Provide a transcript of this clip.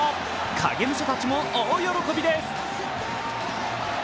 影武者たちも大喜びです。